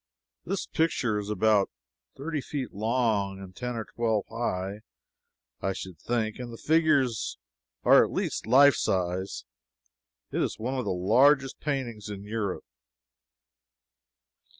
This picture is about thirty feet long, and ten or twelve high, I should think, and the figures are at least life size. It is one of the largest paintings in Europe.